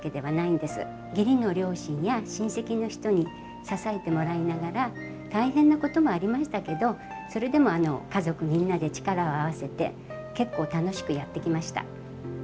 義理の両親や親戚の人に支えてもらいながら大変なこともありましたけどそれでも家族みんなで力を合わせて結構楽しくやってきました。